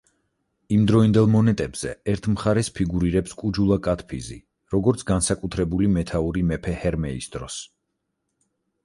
იმდროინდელ მონეტებზე, ერთ მხარეს ფიგურირებს კუჯულა კადფიზი, როგორც განსაკუთრებული მეთაური მეფე ჰერმეის დროს.